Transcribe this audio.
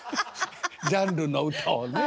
ジャンルの歌をね